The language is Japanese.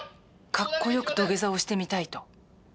かっこよく土下座をしてみたいと。